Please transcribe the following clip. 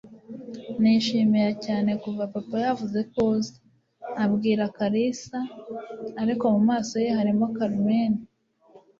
Nishimiye cyane kuva papa yavuze ko uza!" abwira Kalisa, ariko mu maso ye harimo Carmen.